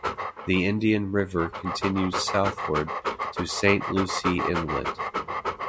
The Indian River continues southward to Saint Lucie Inlet.